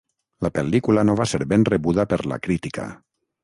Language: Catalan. La pel·lícula no va ser ben rebuda per la crítica.